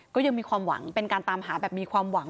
ก็ยังมีความหวังเป็นการตามหาแบบมีความหวัง